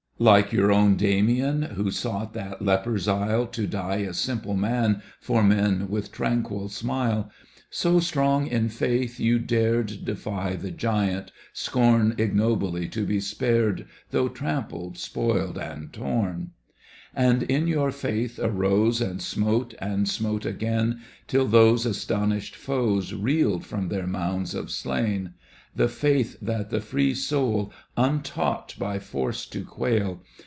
Like your own Damian Who sought that lepers' isle To die a simple man For men with tranquil smile. So strong in faith you dared Defy the giant, scorn Ignobly to be spared. Though trampled, spoiled, and torn. And in your faith arose And smote, and smote again. Till those astonished foes Reeled from their mounds of slain, The faith that the free soul. Untaught by force to quail.